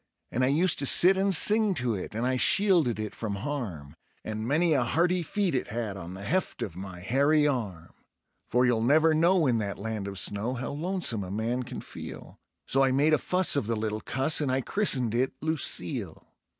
And I used to sit and sing to it, and I shielded it from harm, And many a hearty feed it had on the heft of my hairy arm. For you'll never know in that land of snow how lonesome a man can feel; So I made a fuss of the little cuss, and I christened it "Lucille".